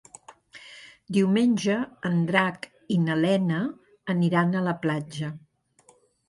Diumenge en Drac i na Lena aniran a la platja.